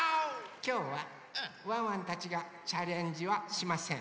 きょうはワンワンたちがチャレンジはしません。